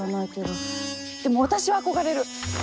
でも私は憧れる！